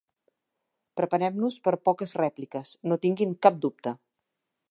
Preparem-nos per a poques rèpliques, no tinguin cap dubte.